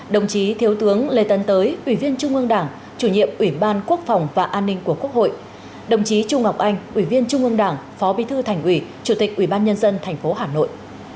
đồng chí thiếu tướng lê tấn tới ubnd chủ nhiệm ubnd phó bí thư thành ủy chủ tịch ubnd tp hà nội